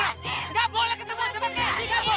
enggak boleh ketemu sama candy enggak boleh